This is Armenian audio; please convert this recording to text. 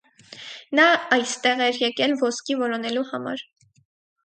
Նա այստեղ էր եկել ոսկի որոնելու համար։